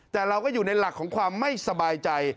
แต่เราก็อยู่ในหลักของความไม่สบายใจ